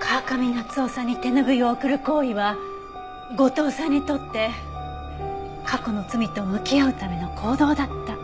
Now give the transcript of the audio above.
川上夏夫さんに手拭いを送る行為は後藤さんにとって過去の罪と向き合うための行動だった。